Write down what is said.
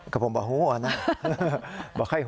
ก็ผมบอกหัวนะบอกให้หัว